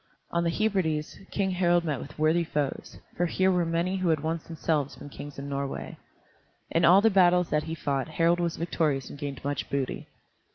On the Hebrides King Harald met with worthy foes, for here were many who had once themselves been kings in Norway. In all the battles that he fought Harald was victorious and gained much booty.